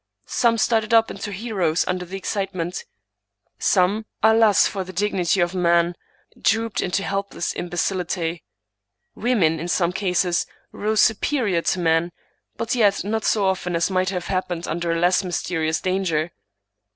Some started up into heroes under the excitement. Some, alas for the dignity of man ! drooped into helpless imbecility. Women, in some cases, rose su perior to men, but yet not so often as might have happened under a less mysterious danger.